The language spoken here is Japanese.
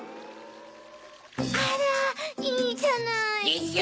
あらいいじゃない。でしょ？